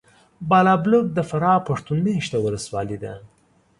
بالابلوک د فراه پښتون مېشته ولسوالي ده .